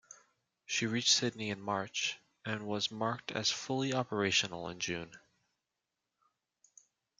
She reached Sydney in March, and was marked as fully operational in June.